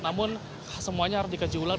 namun semuanya harus dikaji ulang